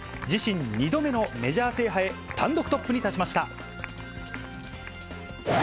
自身２度目のメジャー制覇へ、単独トップに立ちました。